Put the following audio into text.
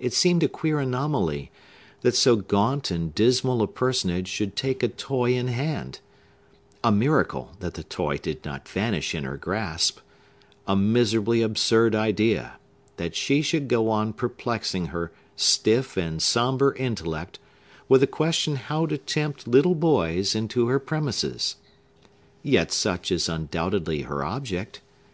It seemed a queer anomaly, that so gaunt and dismal a personage should take a toy in hand; a miracle, that the toy did not vanish in her grasp; a miserably absurd idea, that she should go on perplexing her stiff and sombre intellect with the question how to tempt little boys into her premises! Yet such is undoubtedly her object.